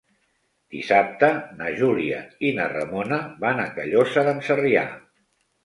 Dissabte na Júlia i na Ramona van a Callosa d'en Sarrià.